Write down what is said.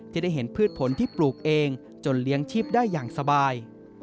จะได้เห็นพืชผลที่ปลูกเองจนเลี้ยงชีพได้อย่างสบาย